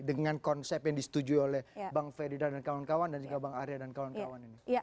dengan konsep yang disetujui oleh bang ferdinand dan kawan kawan dan juga bang arya dan kawan kawan ini